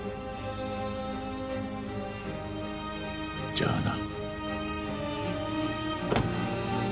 じゃあな。